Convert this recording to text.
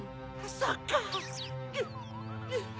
そっか！